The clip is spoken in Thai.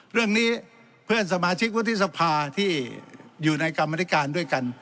เรื่องนี้เพื่อนสมาชิกวุฒิสภาที่อยู่ในกรรมธิการด้วยกัน